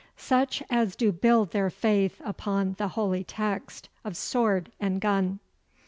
"Such as do build their faith upon The holy text of sword and gun."